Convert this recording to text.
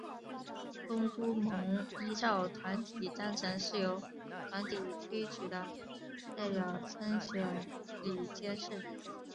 公督盟依照团体章程是由团体推举的代表参选理监事。